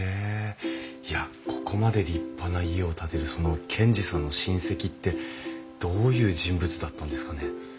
いやここまで立派な家を建てるその賢治さんの親戚ってどういう人物だったんですかね？